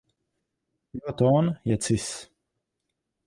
Jeho tón je cis.